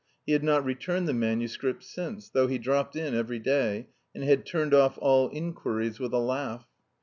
He had not returned the manuscript since, though he dropped in every day, and had turned off all inquiries with a laugh.